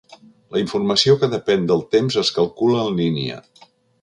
La informació que depèn del temps es calcula en línia.